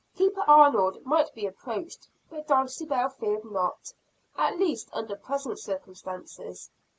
Keeper Arnold might be approached; but Dulcibel feared not at least under present circumstances.